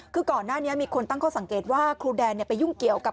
คือก่อนหน้านี้มีคนตั้งข้อสังเกตว่าครูแดนไปยุ่งเกี่ยวกับ